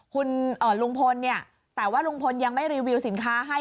คุณลุงพลเนี่ยแต่ว่าลุงพลยังไม่รีวิวสินค้าให้